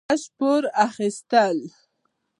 لږ پور اخيستل: